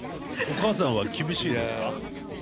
お母さんは厳しいですか？